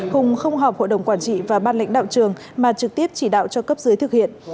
hùng không họp hội đồng quản trị và ban lãnh đạo trường mà trực tiếp chỉ đạo cho cấp dưới thực hiện